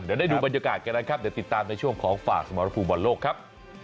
เดี๋ยวได้ดูบรรยากาศกันนะครับเดี๋ยวติดตามในช่วงของฝากสมรภูมิบอลโลกครับ